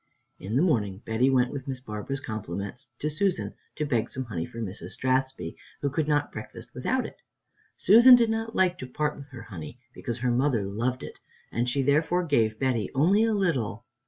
In the morning Betty went with Miss Barbara's compliments to Susan, to beg some honey for Mrs. Strathspey, who could not breakfast without it. Susan did not like to part with her honey, because her mother loved it, and she therefore gave Betty only a little.